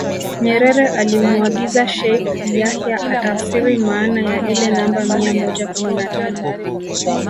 Nyerere alimuagiza Sheikh Yahya atafsiri maana ya ile namba mia moja kumi na tano